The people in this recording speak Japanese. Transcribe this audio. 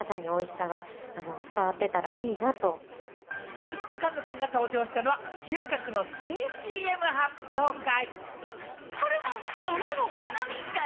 橋本環奈さんが登場したのは、牛角の新ＣＭ発表会。